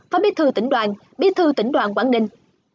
phó bí thư tỉnh đoàn bí thư tỉnh đoàn quảng ninh